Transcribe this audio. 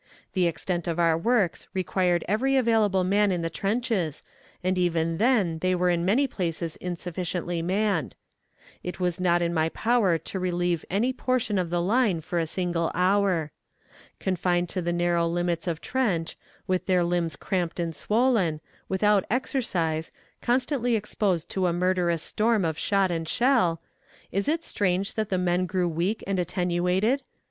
The extent of our works required every available man in the trenches, and even then they were in many places insufficiently manned. It was not in my power to relieve any portion of the line for a single hour. Confined to the narrow limits of trench, with their limbs cramped and swollen, without exercise, constantly exposed to a murderous storm of shot and shell. ... Is it strange that the men grew weak and attenuated?